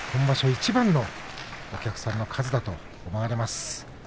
いちばんのお客さんの数だと思われます。